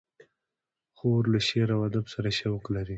خور له شعر و ادب سره شوق لري.